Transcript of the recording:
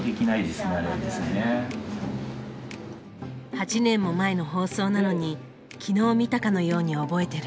８年も前の放送なのに昨日見たかのように覚えてる。